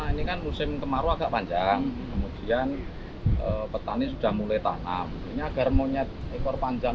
ini kan musim kemarau agak panjang kemudian petani sudah mulai tanam ini agar monyet ekor panjang